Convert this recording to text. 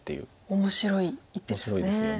面白い一手ですね。